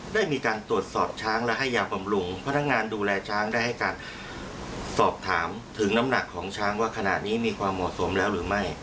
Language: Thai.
ได้มีการตรวจสอบช้างและให้ยาบำรุงพนักงานดูแลช้างได้ให้การสอบถามถึงน้ำหนักของช้างว่าขณะนี้มีความเหมาะสมแล้วหรือไม่